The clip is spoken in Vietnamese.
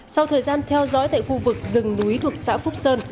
sau thời gian theo dõi tại khu vực rừng núi thuộc xã phúc sơn